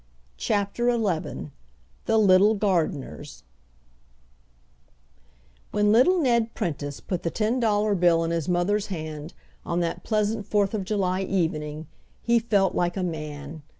CHAPTER XI THE LITTLE GARDENERS When little Ned Prentice put the ten dollar bill in his mother's hand, on that pleasant Fourth of July evening, he felt like a man.